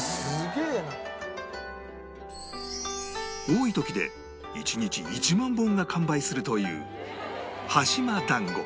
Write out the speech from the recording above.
多い時で１日１万本が完売するというはしまだんご